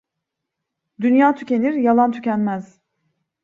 Dünya tükenir, yalan tükenmez.